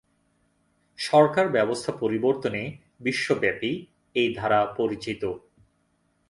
সরকার ব্যবস্থা পরিবর্তনে বিশ্বব্যাপী এ ধারা পরিচিত।